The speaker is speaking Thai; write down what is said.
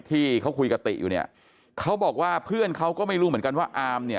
ที่เขาคุยกับติอยู่เนี่ยเขาบอกว่าเพื่อนเขาก็ไม่รู้เหมือนกันว่าอามเนี่ย